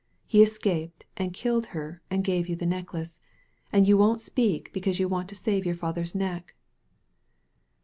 He escaped and killed her and gave you the necklace, and you won't speak because you want to save your father's neck."